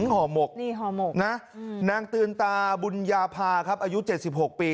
นี่ห่อหมกน่ะนางตืนตาบุญญาพาครับอายุเจ็ดสิบหกปี